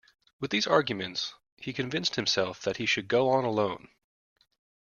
With these arguments he convinced himself that he should go on alone.